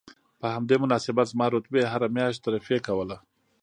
په همدې مناسبت زما رتبې هره میاشت ترفیع کوله